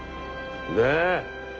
ねえ！